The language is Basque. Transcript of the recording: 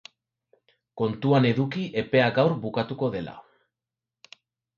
Kontuan eduki epea gaur bukatuko dela.